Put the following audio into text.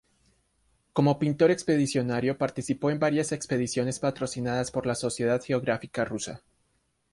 Como pintor expedicionario participó en varias expediciones patrocinadas por la Sociedad Geográfica Rusa.